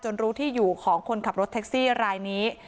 รู้ที่อยู่ของคนขับรถแท็กซี่รายนี้